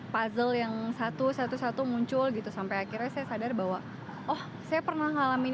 puzzle yang satu satu satu muncul gitu sampai akhirnya saya sadar bahwa oh saya pernah ngalamin